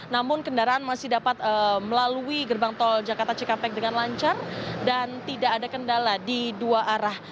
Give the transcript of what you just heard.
namun kendaraan masih dapat melalui gerbang tol jakarta cikampek dengan lancar dan tidak ada kendala di dua arah